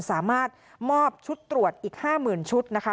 สามารถมอบชุดตรวจอีก๕๐๐๐ชุดนะคะ